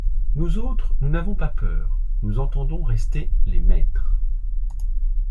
Nous autres, nous n'avons pas peur, nous entendons rester les maîtres.